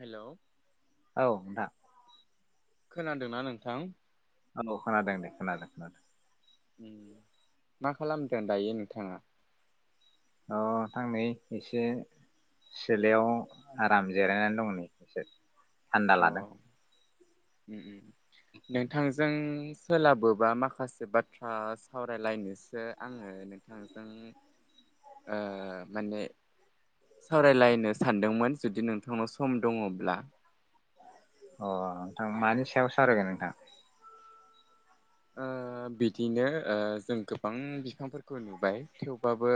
Hello औ नोंथां। खोनादोंना नोंथां? औ खोनादों दे खोनादों खोनादों। ओम मा खालामदों दायो नोंथाङा? अ नोंथां नै एसे सिलायाव आराम जिरायनानै दङ नै एसे। थान्दा औ लादों। उम उम नोंथांजों सोलाबोबा माखासे बाथ्रा सावरायलायनोसो आङो नोंथांजों ओ माने सावरायलायनो सानदोंमोन जुदि नोंथांनाव सम दङब्ला। अ नोंथां मानि सायाव सावरायगोन नोंथां? ओ बिदिनो ओ जों गोबां बिफांफोरखौ नुबाय थेवबाबो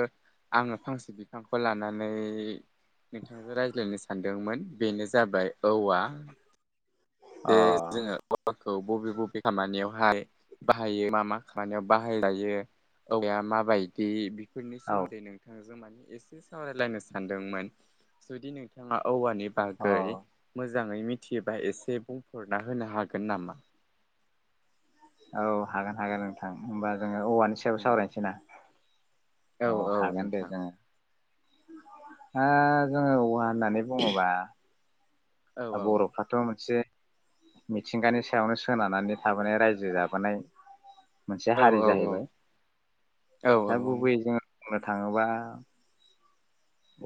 आङो फांसे बिफांखौ लानानै नोंथांजों रायज्लायनो सानदोंमोन बेनो जाबाय औवा। अ बेे जोङो [unintelligible] औ बबे बबे खामानियावहाय बाहायो मा मा खामानियाव बाहायजायो औवाया माबायदि बि फोरनि औ सोमोन्दै नोंथांजों माने एसे सावरायलायनो सानदोंमोन जुदि नोंथाङा औवानि अ बागै मोजाङै मिथियोबा एसे हरना होनो हागोन नामा? औ हागोन हागोन नोंथां होमबा जोङो औवानि सायाव सावरायनोसै ना औ अ औ हागोन दे नोंथां जोङो ओ जोङो औवा होननानै बुङोबा औ औ बरफ्राथ' मोनसे मिथिंगानि सायावनो सोनारनानै थाबोनाय रायजो जाबोनाय मोनसे औ हारि औ जाहैबाय औ ओ दा गुबैयै जों बुंनो थाङोबा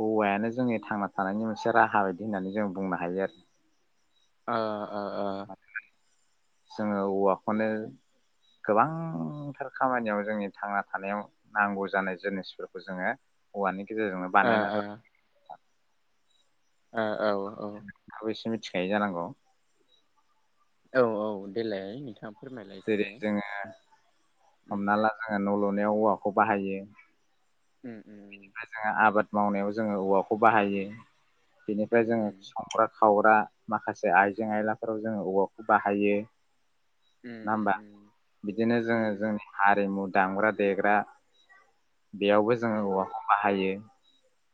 औवायानो जोंनि थांना थानायनि मोनसे राहा बायदि होननानै जों बुंनो हायो आरो ओ ओ ओ जोङो औवाखौनो गोबांथार खामानियाव जोंनि थांना थानायाव नांगौ जानाय जिनिसफोरखौ जोङो औवानि गेजेरजों नो बानायना ला ओ औ औ लानायखौ एसे मिथिखायो जानांगौ औ औ देलाय नोंथां जेरै जोङो उम हमना ला जोङो न' लुनो औवाखौ बाहायो। उम उम उम जोङो आबाद मावनायाव जोङो औवाखौ बाहायो। बेनिफ्राय उम जोङो उम संग्रा खावग्रा माखासे आयजें आयलाफोराव जोङो औवाखौ बाहायो। उम नङा उम होमबा बिदिनो उम जोङो जोंनि हारिमु दामग्रा देग्रा बेयाव जोङो उम औवाखौ बाहायो।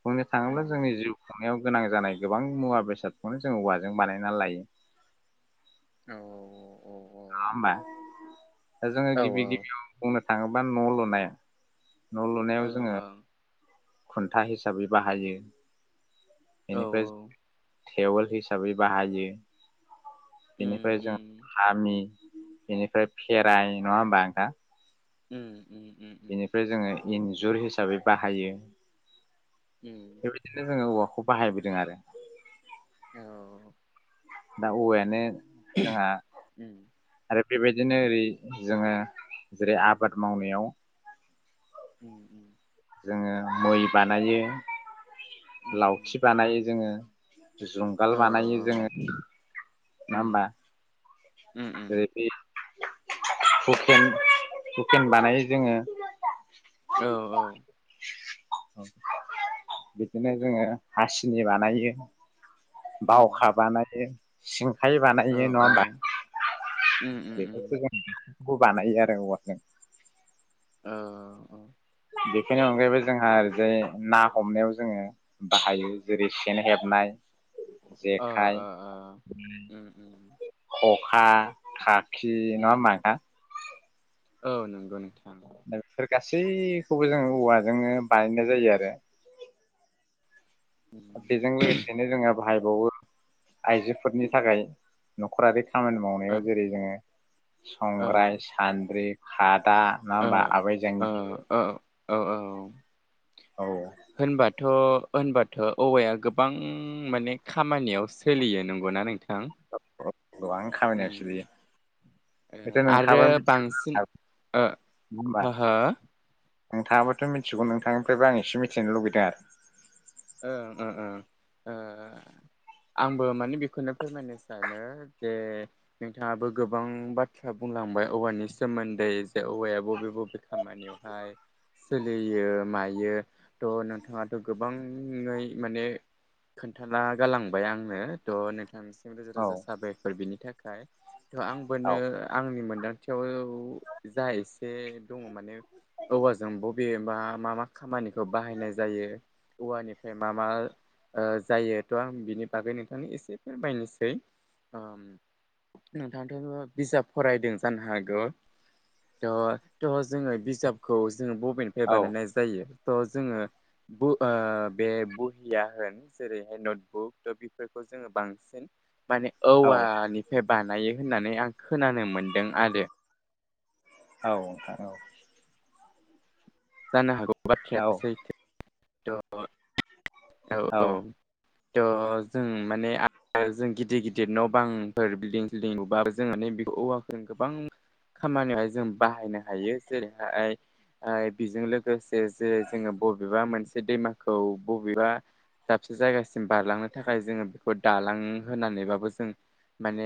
बुंनो उम थाङोब्ला जोंनि जिउ खुंनायाव गोनां जानाय गोबां मुवा बेसादखौनो जों औवाजों बानायना लायो। औ औ औ औ नङा होमबा? जोङो औ गिबि गिबियाव बुंनो थाङोबा न' लुनाय न' लुनायाव औ जोङो खुन्था हिसाबै बाहायो। औ बेनिफ्राय। टेवोल हिसाबै बाहायो। उम बेनिफ्राय जों उम हामि बेनिफ्राय फेराय नङा होमब्ला नोंथां? उम। उम उम उम बेनिफ्राय जोङो इन्जुर हिसाबै बाहायो। उम बेबायदिनो जोङो औवाखौ खौ बाहायबोदों आरो औ औ। दा औवायानो। जोंहा उम आरो बेबायदिनो ओरै जोङो जेरै आबाद मावनायाव उम उम। जोङो मै बानायो। उम उम लावखि बानायो जोङो। जुंगाल औ बानायो जोङो। औ नंआ उम होमबा उम उम जेरै। हुखेन हुखेन बानायो जोङो। औ औ। [unintelligible] बिदिनो जोङो हासिनि बानायो। उम बावखा बानायो। सिं खाय औ औ बानाययो नङा होमब्ला। उम उम बेखौथ' उम जों खौ बानायो आरो औवाजों। औ औ औ। बेफोरनि अनगायैबो जोंहा जेरै ना हमनायाव जोङो बाहायो जेरै सेन हेबनाय। ओ जेखाइ ओ ओ उम उम। [unintelligible] उम [unintelligible] औ नंगौ नोंथां। बेफोर गासैखौबो जोंओ औवाजोंनो बानायनाय जायो आरो। उम बेजों लोगोसेनो जोंओ। बाहायबावो आइजोफोरनि थाखाय न'खरारि खामानि ओ मावनायाव जेरै जोङो ओ संग्राय, सान्द्रि फाद दा नङा ओ होमबा आबै ओ जांगि औ औ औ। औ होनबाथ' होनबाथ' औवाया गोबां माने खामानियाव सोलियो नंगौना नों थां? गोबां खामानियाव सोलियो ओम ओ बेथ' आरो नोंथाङाबो मिथिगौ जानो बांसिन हागौ ओ होमबा हो हो? नोंथाङाबोथ' मिथिगौ नोंथांनिफ्राइबो आं एसे मिथिनो लुबैदों ओं ओं ओं ओ आंबो माने बेखौनो फोरमायनो सानो जे नोंथाङाबो गोबां बाथ्रा बुंलांबाय औवानि सोमोन्दै जे औवाया बबे बबे खामानियावहाय सोलियो मायो थ' नोंथाङाथ' गोबां ङै माने खोन्थाना गालांबाय आंनो थ' नोंथांनिसिम रोजा औ रोजा साबायखर बिनि थाखाय। थ' आंबोनो आंनि मोन दांथियाव औ जा एसे दङ माने औवाजों बबेबा मा मा खामानिखौ बाहायनाय जायो औवानिफ्राय मा मा ओ जायो थ' आं बिनि बागै नोंथांनि एसे फोरमायनोसै। ओम नोंथाङथ' बिजाब फरायदों जानो हागौ थ' थ' जोङो बिजाबखौ जोंङो बबेनिफ्राय औ बानायनाय जायो? थ' जोङो बो ओ बे बहिया होन जेरैहाय नटबुक थ' बेफोरखौ जोङो बांसिन माने औ औवानिफ्राय बानायो होननानै आं खोनानो मोनदों आरो। औ औ। जानो हागौ औ बाथ्राया सैथो। थ' औ औ। थ' जों माने ओ जों गिदिर गिदिर न' बांफोर बिल्डिं सिल्डिं लुबाबो जों माने बेखौ औवाखौ गोबां खामानियावहाय जों बाहायनो हायो जेरैहाय हाय ओ बेजों लोगो से जे जोङो बबेबा मोनसे बे दैमाखौ ब बेबा दाबसे जायगासि म बारलांनो थाखाय जोङो खौ दालां होनानैबाबो जों माने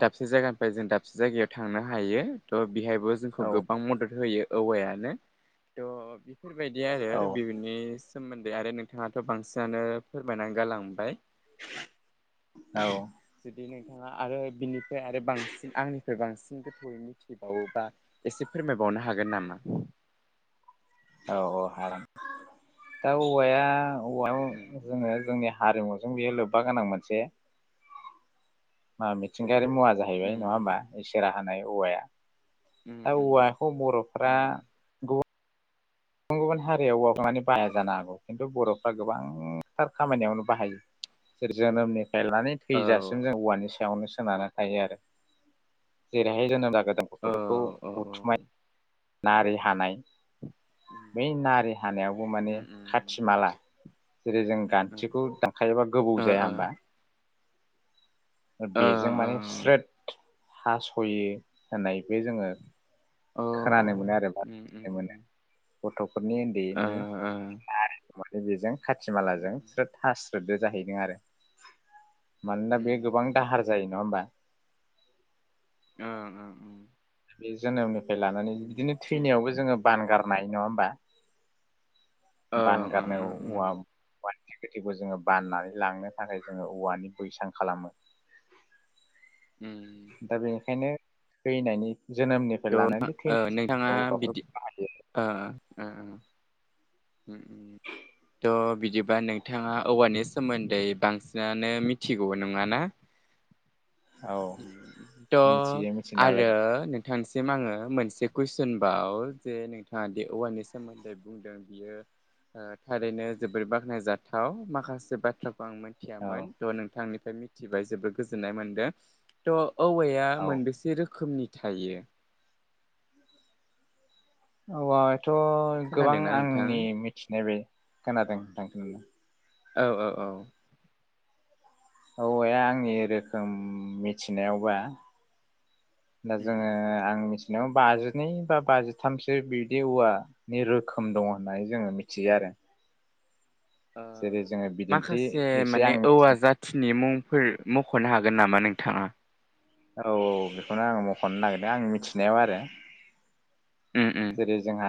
दाबसे जायगानिफ्राय जों दाबसे जायगायाव थांनो हायो थ' बेहायबो जोंखौ गोबां मदद होयो औवायानो थ' बि बेफोरबायदि औ आरो बिबनि दोंमोन दे आरो नोंथाङाथ' बांसिनानो फोरमायनानै गालांबाय औ जुदि नों थाङा आरो बिनिफ्राय आरो बांसिन आंनिफ्राय बांसिन गोथौयै मिथिबावोबा एसे फोरमायबावनो हागोन नामा? औ औ हागोन दा औवाया उम औवायाव जोङो जोंनि हारिमुजों बियो लोब्बा गोनां मोनसे मा मिथिंगायारि मुवा जाहैबाय उम नङा उम होमबा इसोरा होनाय औवाया उम दा उम औवाखौ बर'फ्रा उम गुबुन गुबुन हारियाव औवाखौ माने बाहाया जानो हागौ खिन्थु बर'फ्रा गोबांथार खामानियावनो बाहायो जेरै जोनोमनि लानानै औ थैजासिम जों औवानि सायावनो सो सोनारनानै थायो आरो जेरैहाय जोंनोबा गोदान औ गथ'फोरखौ औ औ उथुमाय नारि हानाय बै उम नारि हानायावबो माने उम उम खाथि माला जेरै जों ओ गान्थिखौ दानखायोबा गोबौ ओ जाया होमबा? ओ बेजों ओं माने अ स्रोद हास'यो होननाय बे जोङो अ खोनानो उम उम गथ' फोरनि ओ उन्दैनि ओ नारि उखुमा बे बेजों खाथि मालाजों उम स्रोद हास स्रदबो जाहैदों आरो। मानोना उम बे गोबां उम दाहार जायो नङा होमबा? ओं ओं उम। बे जेनोमनि फाय लानानै बिदिनो उम थिग थैनायावबो जोङो बानगार नाय न'ङा होमबा? ओं ओं बानगारनाय ओं ओं औवा [unintelligible] गोथैखौ जोङो बाननानै लांनो थाखाय जोङो औवानि बैसां खालामो। दा बेनिखायनो थैनायनि थ' जोनोमनिफ्राय नोथां लानानै ओ थैनायनि नोंथाङा बिदि औवाफोरखौ बाहायो ओ ओं। उम उम थ' बिदिबा नोंथाङा औवानि सोमोन्दै बांसिनानो मिथिगौ नङाना? औ थ' मिथियो मिथिनायालाय आरो नोंथांसि सिम आङो मोनसे कुइसन बाव जे नोंथाङा दे औवानि सोमोन्दै बुंदों बियो ओ थारैनो जोबोर बाख्नायजाथाव माखासे बाथ्रा आं औ मिथियामोन थ नोंथांनि फ्राय मिथिबाय जोबोद गोजोननाय मोनदों थ औवाया औ मोनबेसे रोखोमनि थायो औवाद थ गोबां खोनादोंना नोंथां आंनि मिथिनाय बे खोनादों थां उम औ औ औ औवाया आंनि रोखोम मिथिनायावबा दा जोङो आं मि नो बाजिनै बा बाजिथामसो बिदि औवानि रोखोम दङ होननानै जोङो मिथियो आरो ओ जेरै जोङो बिदिन्थि माखासे एसे माने आं औवा मिथि जाथिनि मुं फोर मख'नो हागोन नामा नोंथाङा औ औ बेखौनो आङो मखनो नागिरदों आं मिथिनायाव आरो उम उम जेरै जोंहा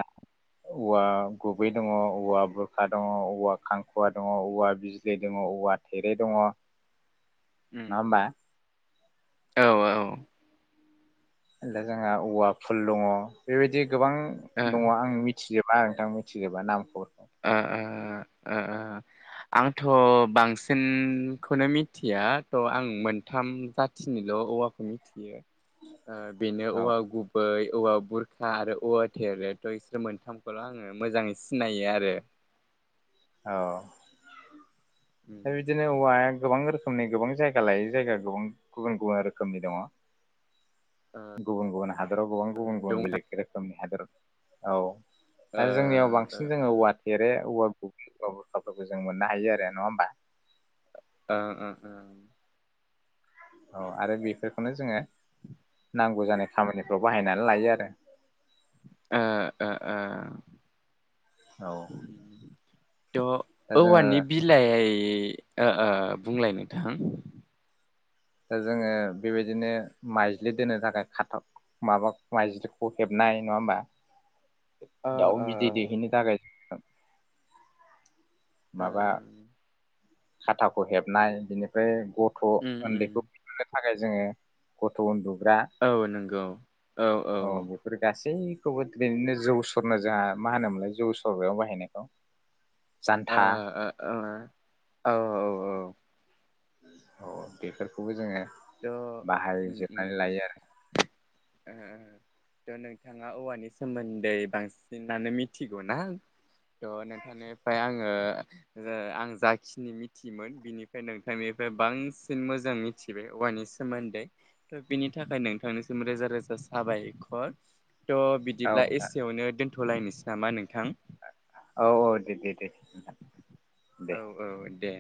औवा गुबै दङ औवा बुरखा दङ औवा खांखुवा दङ औवा बिज्लै दङ औवा थेरे दङ नङा उम होमबा औ औ जोंहा औवा फुल दङ बेबायदि गोबां ओ दङ आं मिथिजोब मा नोंथां मिथिगोबा नामखौ ओ ओ ओ ओ आंथ' बांसिनखौनो मिथिया थ' आं मोनथाम जाथिनिल औवाखौ मिथि बेयो ओ बेनो औ औवा गुबै औवा बुरखा आरो औवा थेरे थ' ओइसोर मोनथामखौल आङो मोजाङै सिनायो आ रो औ बे बिदिनो औवाया गोबां रो समनि गोबां जायगा लायै जायगा गोबां गुबुन गुबुन रोखोमनि दङ गुबुन गुबुन हादराव गोबां गुबुन दं गुबुन बेलेग रोखोमनि हादर औ ओ आरो जोंनियाव ओ बांसिन जोङो औवा ओ थेरे औवा [unintelligible] फोरखौ जों मोननो हायो आरो नङा होमबा ओ ओ ओ औ आरो बेफोरखौनो जोङो [inaudible] नांगौ जानाय खामानिफ्राव बाहायनानै लायो आरो ओ ओ ओ औ दा थह जोङो औवानि बिलाइ ओ ओ बुंलाय नोंथां दा जोङो बेबायदिनो माइज्लि दोननो थाखाय खाथाब माबा माइज्लिख' हेबनाय नङा होमबा? ओ दाउ ओ बिदै दैहैनो थाखाय [unintelligible] हो खाथाख' हेबनाय बिनिफ्राय गथ' उम उम उन्दैखौ बिदिनो थाखाय जोङो गथ' उन्दु औ नंगौ औ औ बेखौबो दोनैनो जौ सरनो जोंहा मा होनोमोनलाय जौ सरग्रायाव बाहायनायखौ जान्था आ औ औ औ औ बेफोरखौबो जोङो द'उम बाहायजोबनानै लायो उम ओ थ' नोंथाङा औवानि सोमोन्दै बांसिनानो मिथिगौना? थ' नोंथांनिफ्राय आङो ओ आं जाखिनि मिथियोमोन बिनिफ्राय नोंथांनिफ्राय बांसिन मोजां मिथिबाय। औवानि सोमोन्दै थ' बेनि थाखाय नोंथांनिसिम रोजा रोजा साबायखर। थ' आरो औ बिदिब्ला नोंथां एसेयावनो दोन्थ'लायनोस नामा नोंथां? औ औ दे दे दे दे औ औ दे